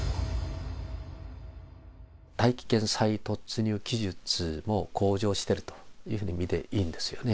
大気圏再突入技術も向上しているというふうに見ていいんですよね。